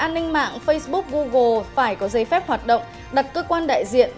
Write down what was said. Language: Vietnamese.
an ninh mạng facebook google phải có giấy phép hoạt động đặt cơ quan đại diện